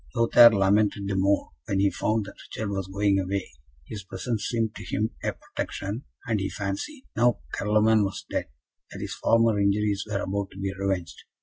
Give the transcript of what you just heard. Lothaire lamented the more when he found that Richard was going away; his presence seemed to him a protection, and he fancied, now Carloman was dead, that his former injuries were about to be revenged.